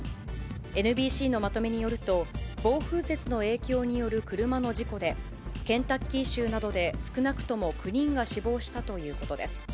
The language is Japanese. ＮＢＣのまとめによると、暴風雪の影響による車の事故で、ケンタッキー州などで少なくとも９人が死亡したということです。